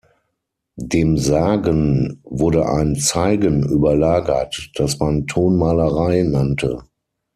Dem "Sagen" wurde ein "Zeigen" überlagert, das man Tonmalerei nannte.